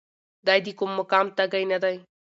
دی د کوم مقام تږی نه دی.